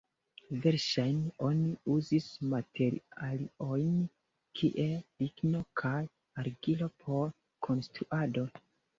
Verŝajne oni uzis materialojn kiel ligno kaj argilo por konstruado.